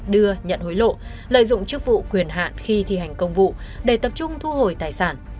đưa nhận hối lộ lợi dụng chức vụ quyền hạn khi thi hành công vụ để tập trung thu hồi tài sản